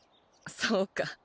そうか。